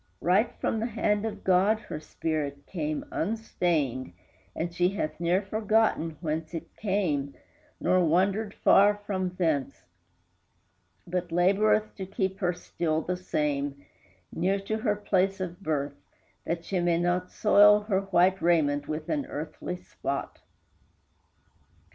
Right from the hand of God her spirit came Unstained, and she hath ne'er forgotten whence It came, nor wandered far from thence, But laboreth to keep her still the same, Near to her place of birth, that she may not Soil her white raiment with an earthly spot.